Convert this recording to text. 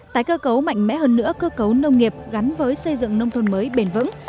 tái cơ cấu mạnh mẽ hơn nữa cơ cấu nông nghiệp gắn với xây dựng nông thôn mới bền vững